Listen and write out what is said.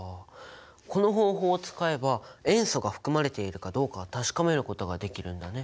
この方法を使えば塩素が含まれているかどうか確かめることができるんだね。